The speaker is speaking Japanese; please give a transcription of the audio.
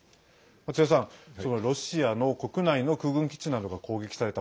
津屋さん、ロシアの国内の空軍基地などが攻撃された。